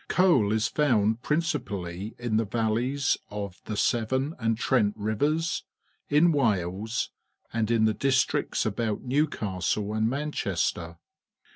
Coal is found principally in the valleys of the Severn and Trent Rivers, in Wales, and in the districts about Xewc astle and Man chester.